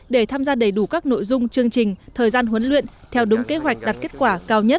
để tham gia đầy đủ các nội dung chương trình thời gian huấn luyện theo đúng kế hoạch đạt kết quả cao nhất